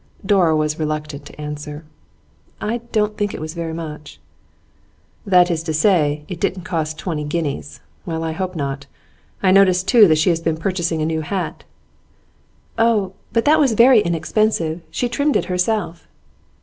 Dora was reluctant to answer. 'I don't think it was very much.' 'That is to say, it didn't cost twenty guineas. Well, I hope not. I notice, too, that she has been purchasing a new hat.' 'Oh, that was very inexpensive. She trimmed it herself.